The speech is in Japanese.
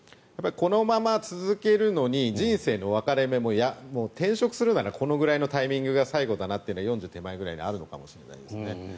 このまま続けるのに人生の分かれ目転職するならこのぐらいのタイミングが最後だなっていうのが４０手前ぐらいにあるのかもしれないですね。